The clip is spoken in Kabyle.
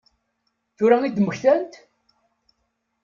Tura i d-mmektant?